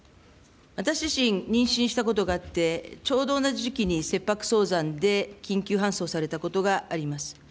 私自身、妊娠したことがあって、ちょうど同じ時期に切迫早産で緊急搬送されたことがあります。